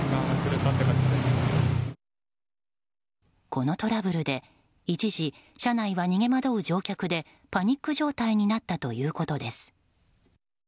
このトラブルで一時、車内は逃げ惑う乗客でパニック状態になったということです。